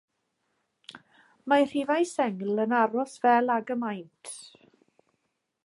Mae rhifau sengl yn aros fel ag y maent.